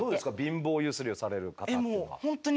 貧乏ゆすりをされる方っていうのは。